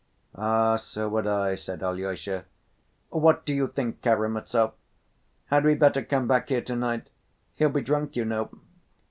"Ah, so would I," said Alyosha. "What do you think, Karamazov? Had we better come back here to‐night? He'll be drunk, you know."